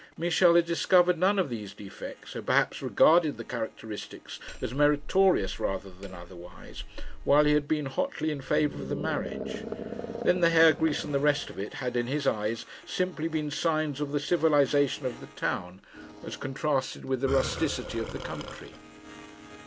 Michel had discovered none of these defects, had perhaps regarded the characteristics as meritorious rather than otherwise, while he had been hotly in favour of the marriage. Then the hair grease and the rest of it had in his eyes simply been signs of the civilisation of the town as contrasted with the rusticity of the country.